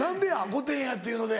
『御殿‼』やっていうので？